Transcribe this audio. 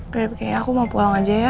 berarti kayaknya aku mau pulang aja ya